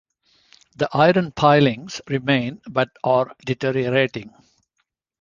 The iron pilings remain, but are deteriorating.